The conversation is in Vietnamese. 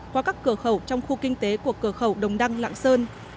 qua các cửa khẩu trong khu kinh tế của cửa khẩu đồng đăng lạng sơn